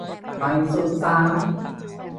ไปสุดสาย